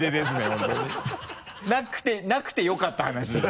本当になくてよかった話です。